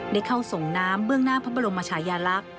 ได้เข้าส่งน้ำเบื้องหน้าพระบรมชายาลักษณ์